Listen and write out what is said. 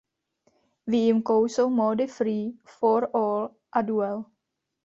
Výjimkou jsou módy Free for all a Duel.